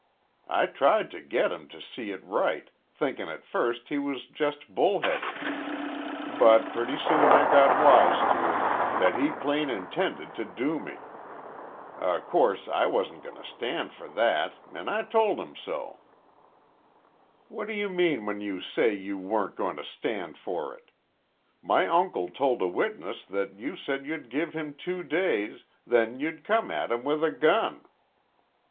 "I tried to get him to see it right, thinkin' at first he was just bull headed. But pretty soon I got wise to it that he plain intended to do me. O' course I wasn't goin' to stand for that, an' I told him so." "What do you mean when you say you weren't goin' to stand for it. My uncle told a witness that you said you'd give him two days, then you'd come at him with a gun."